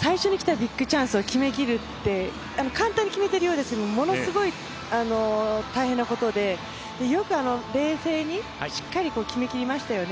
最初に来たビッグチャンスを決めきるって、簡単に決めているようですがものすごい大変なことで、よく冷静にしっかり決めきりましたよね。